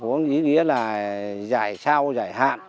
thứ hai nữa là có ý nghĩa là giải sao giải hạn